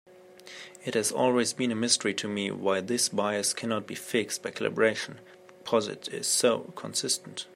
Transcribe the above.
It has always been a mystery to me why this bias cannot be fixed by calibration, because it is so consistent.